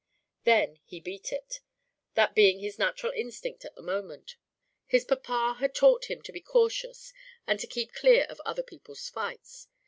Then he "beat it," that being his natural instinct at the moment. His papa had taught him to be cautious and to keep clear of other people's fights.